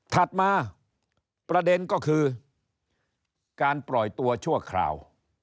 ถัดมาประเด็นก็คือการปล่อยตัวชั่วคราว